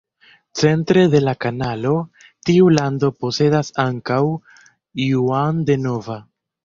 Centre de la kanalo, tiu lando posedas ankaŭ Juan de Nova.